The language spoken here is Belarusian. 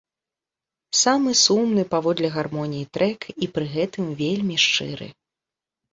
Самы сумны паводле гармоніі трэк і пры гэтым вельмі шчыры.